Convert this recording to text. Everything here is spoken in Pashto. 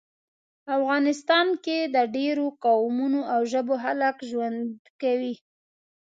افغانستان کې د ډیرو قومونو او ژبو خلک ژوند کوي